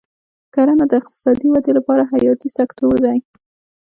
کرنه د اقتصادي ودې لپاره حیاتي سکتور دی.